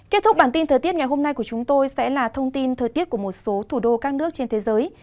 kết thúc bản tin thời tiết ngày hôm nay của chúng tôi sẽ là thông tin thời tiết của một số thủ đô các nước trên thế giới